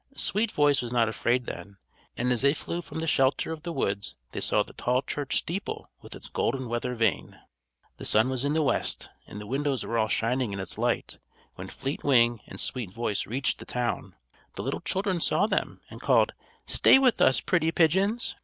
Sweet Voice was not afraid then; and as they flew from the shelter of the woods, they saw the tall church steeple with its golden weather vane. The sun was in the west, and the windows were all shining in its light, when Fleet Wing and Sweet Voice reached the town. The little children saw them and called: "Stay with us, pretty pigeons."